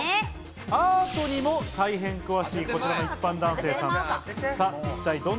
アートにも大変詳しい一般男性さん。